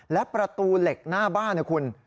และประตูเหล็กหน้าบ้านนะคุณ